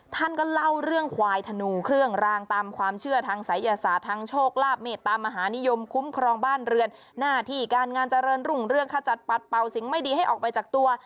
ท่านก็เล่าเรื่องควายธนูเครื่องรางตามความเชื่อทางศัยยศาสตร์ทางโชคลาภเมตตามหานิยมคุ้มครองบ้านเรือนหน้าที่การงานเจริญรุ่งเรื่องขจัดปัดเป่าสิ่งไม่ดีให้ออกไปจากตัว